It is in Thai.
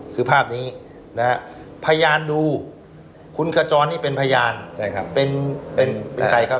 คือภาพนี้นะฮะพยานดูคุณขจรนี่เป็นพยานใช่ครับเป็นเป็นใครครับ